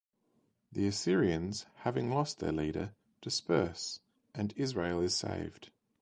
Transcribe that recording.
The Assyrians, having lost their leader, disperse, and Israel is saved.